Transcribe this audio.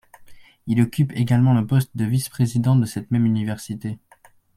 Il occupe également le poste de Vice-Président de cette même université.